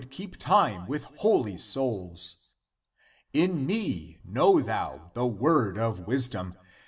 ACTS OF JOHN 183 keep time with holy souls. In me know thou the word of wisdom!